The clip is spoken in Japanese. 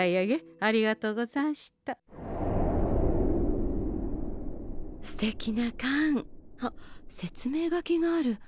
あっ説明書きがある。